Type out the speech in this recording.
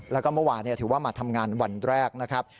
แล้วก็เมื่อวานถือว่ามาทำงานวันแรกนะครับ